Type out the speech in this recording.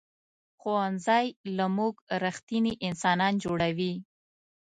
ښوونځی له موږ ریښتیني انسانان جوړوي